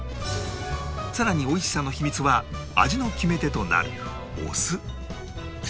さらに美味しさの秘密は味の決め手となるお酢